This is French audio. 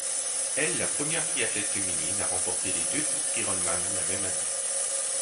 Elle la première triathlète féminine à remporter les deux titres Ironman la même année.